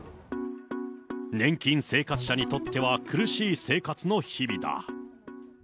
年金生活者にとっては苦しい生活の日々だ。